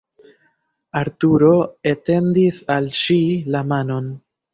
Arturo etendis al ŝi la manon.